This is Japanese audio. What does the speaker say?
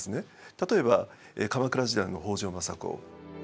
例えば鎌倉時代の北条政子。